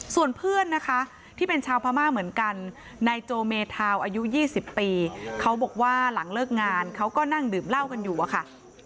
ส่วนเพื่อนนะคะที่เป็นชาวพม่าเหมือนกันนายโจเมธาวอายุ๒๐ปีเขาบอกว่าหลังเลิกงานเขาก็นั่งดื่มเหล้ากันอยู่อะค่ะ